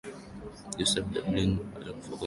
joseph dawson kutoka dublin alikufa kwenye ajali hiyo